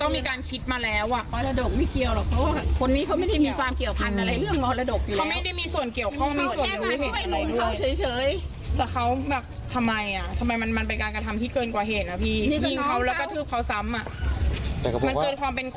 มันเกิดความเป็นคุณไปแล้วนะ